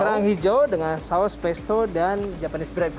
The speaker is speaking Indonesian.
kerang hijau dengan saus pesto dan japanese grebe